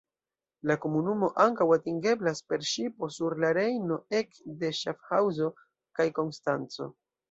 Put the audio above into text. La komunumo ankaŭ atingeblas per ŝipo sur la Rejno ek de Ŝafhaŭzo kaj Konstanco.